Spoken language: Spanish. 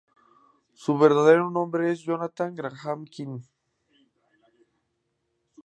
Su verdadero nombre es Jonathan Graham Quinn.